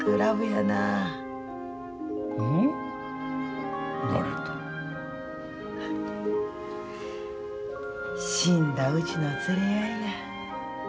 死んだうちの連れ合いや。